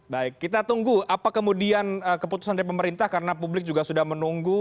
baik kita tunggu apa kemudian keputusan dari pemerintah karena publik juga sudah menunggu